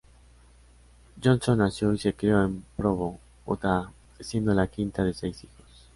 Johnson nació y se crió en Provo, Utah, siendo la quinta de seis hijos.